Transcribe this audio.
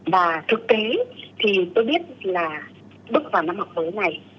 và thực tế thì tôi biết là bước vào năm học mới này